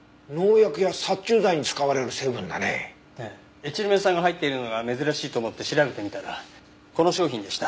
エチルメン酸が入っているのが珍しいと思って調べてみたらこの商品でした。